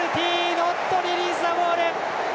ノットリリースザボール！